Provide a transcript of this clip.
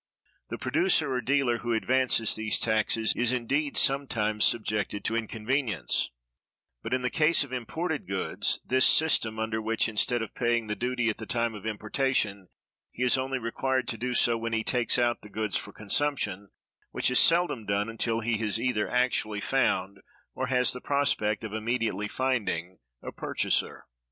The producer or dealer who advances these taxes is, indeed, sometimes subjected to inconvenience; but, in the case of imported goods, this inconvenience is reduced to a minimum by what is called the Warehousing System, under which, instead of paying the duty at the time of importation, he is only required to do so when he takes out the goods for consumption, which is seldom done until he has either actually found, or has the prospect of immediately finding, a purchaser.